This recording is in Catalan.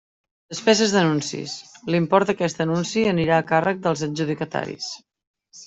Despeses d'anuncis: l'import d'aquest anunci anirà a càrrec dels adjudicataris.